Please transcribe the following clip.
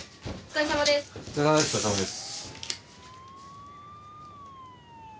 お疲れさまです。